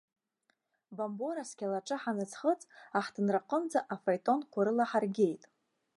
Бамбора асқьалаҿы ҳаныӡхыҵ, аҳҭынраҟынӡа афаетонқәа рыла ҳаргеит.